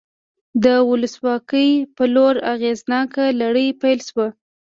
د ولسواکۍ په لور اغېزناکه لړۍ پیل شوه.